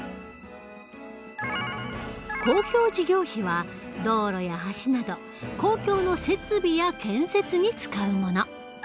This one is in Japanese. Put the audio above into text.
公共事業費は道路や橋など公共の設備や建設に使うもの。